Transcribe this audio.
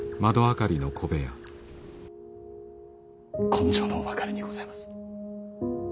今生の別れにございます。